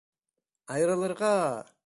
Айырылырға!